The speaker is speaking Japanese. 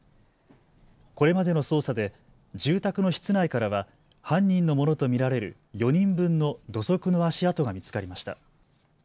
これまでの捜査で住宅の室内からは犯人のものと見られる４人分の土足の足跡が見つかりました。